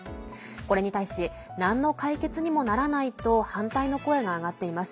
これに対しなんの解決にもならないと反対の声が上がっています。